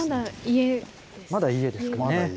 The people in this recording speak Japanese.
まだ家ですかね。